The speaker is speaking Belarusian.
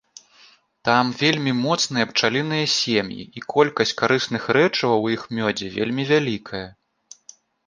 Там вельмі моцныя пчаліныя сем'і, і колькасць карысных рэчываў у іх мёдзе вельмі вялікая.